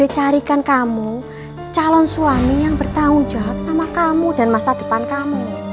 carikan kamu calon suami yang bertanggung jawab sama kamu dan masa depan kamu